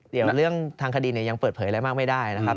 เดี๋ยวเรื่องทางคดีเนี่ยยังเปิดเผยอะไรมากไม่ได้นะครับ